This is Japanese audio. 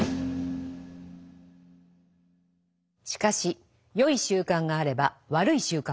しかしよい習慣があれば悪い習慣もある。